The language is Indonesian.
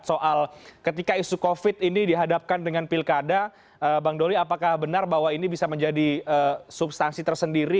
soal ketika isu covid ini dihadapkan dengan pilkada bang doli apakah benar bahwa ini bisa menjadi substansi tersendiri